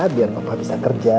biar papa bisa kerja